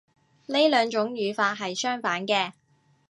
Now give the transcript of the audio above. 呢兩種語法係相反嘅